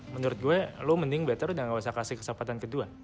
menurut gue lo mending better udah gak usah kasih kesempatan kedua